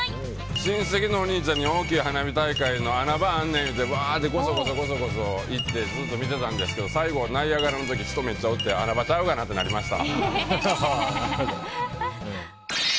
親戚のお兄ちゃんに大きい花火大会の穴場あんねんって言うてわーって、ごそごそ行ってずっと見てたんですけど最後ナイアガラの滝めっちゃ人おって穴場ちゃうがな！ってなりました。